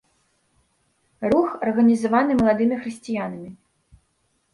Рух арганізаваны маладымі хрысціянамі.